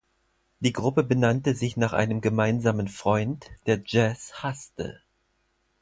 Die Gruppe benannte sich nach einem gemeinsamen Freund, der Jazz hasste.